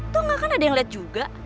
tuh enggak kan ada yang lihat juga